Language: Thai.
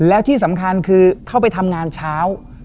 แล้วที่สำคัญคือเข้าไปทำงานเช้า